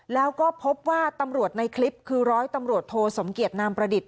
แล้วก็พบว่าตำรวจในคลิปคือร้อยตำรวจโทสมเกียจนามประดิษฐ